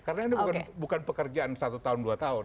karena ini bukan pekerjaan satu tahun dua tahun